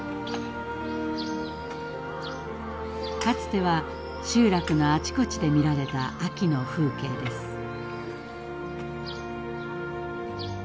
かつては集落のあちこちで見られた秋の風景です。